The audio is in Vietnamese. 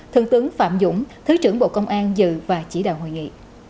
thượng tướng phạm dũng thứ trưởng bộ công an dự và chỉ đạo hội nghị